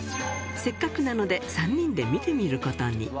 せっかくなので３人で見てみることに。